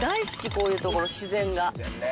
こういうところ自然が自然ね